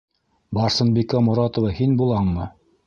Барсынбикә Моратова һин булаңмы?